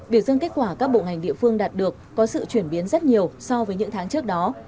biểu dương kết quả các bộ ngành địa phương đạt được có sự chuyển biến rất nhiều so với những tháng trước đó